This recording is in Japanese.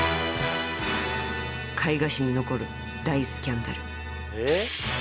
［絵画史に残る大スキャンダル］